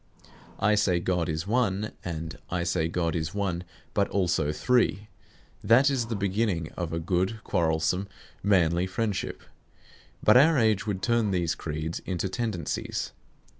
"I say God is One," and "I say God is One but also Three," that is the beginning of a good quarrelsome, manly friendship. But our age would turn these creeds into tendencies.